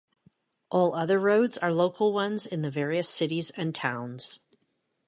All other roads are local ones in the various cities and towns.